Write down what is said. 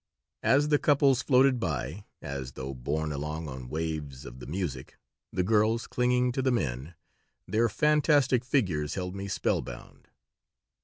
As the couples floated by, as though borne along on waves of the music, the girls clinging to the men, their fantastic figures held me spellbound.